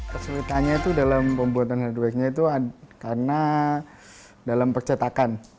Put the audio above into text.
kesulitannya itu dalam pembuatan headway nya itu karena dalam percetakan